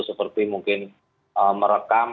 seperti mungkin merekam